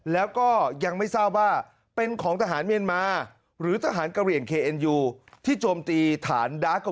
แล้วก็ยังไม่เศร้าว่า